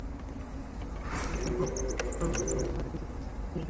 এসব প্লটের মালিকেরা শিল্প করবেন বলে বিসিকের কাছ থেকে প্লট নিয়েছিলেন।